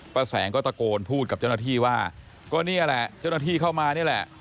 แสงก็ตะโกนพูดกับเจ้าหน้าที่ว่าก็นี่แหละเจ้าหน้าที่เข้ามานี่แหละ